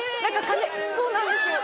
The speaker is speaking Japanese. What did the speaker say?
そうなんですよ